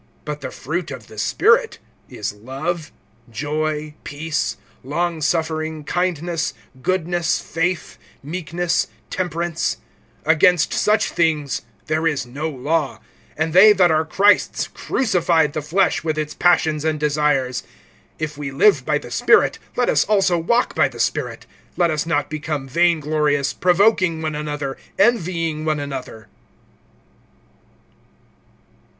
(22)But the fruit of the Spirit is love, joy, peace, long suffering, kindness, goodness, faith, (23)meekness, temperance; against such things there is no law. (24)And they that are Christ's crucified the flesh with its passions and desires. (25)If we live by the Spirit, let us also walk by the Spirit. (26)Let us not become vainglorious, provoking one another, envying one another.